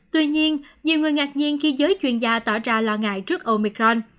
tuy nhiên nhiều người ngạc nhiên khi giới chuyên gia tỏ ra lo ngại trước omicron